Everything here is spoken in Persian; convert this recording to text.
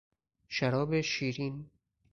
شراب شیرین